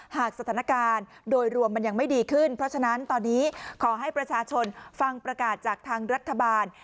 หากสถานการณ์โดยรวมมันยังไม่ดีขึ้นเพราะฉะนั้นตอนนี้ขอให้ประชาชนฟังประกาศจากทางรัฐบาล